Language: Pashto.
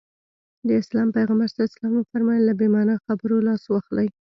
د اسلام پيغمبر ص وفرمايل له بې معنا خبرو لاس واخلي.